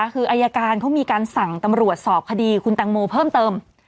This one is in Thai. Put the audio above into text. คืออายการเขามีการสั่งตำรวจสอบคดีคุณตังโมเพิ่มเติม